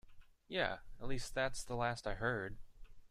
Yeah, at least that's the last I heard.